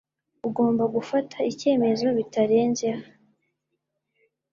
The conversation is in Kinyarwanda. Ugomba gufata icyemezo bitarenze h.